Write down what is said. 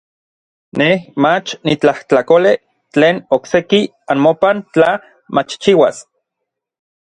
Nej mach nitlajtlakolej tlen okseki anmopan tla machchiuas.